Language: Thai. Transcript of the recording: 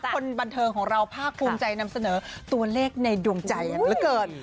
คนบันเทิงของเราภาคภูมิใจนำเสนอตัวเลขในดวงใจอย่างเหลือเกิน